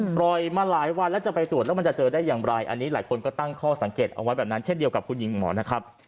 ปล่อยมาหลายวันแล้วจะไปตรวจแล้วมันจะเจอได้อย่างไรอันนี้หลายคนก็ตั้งข้อสังเกตเอาไว้แบบนั้นเช่นเดียวกับคุณหญิงหมอนะครับ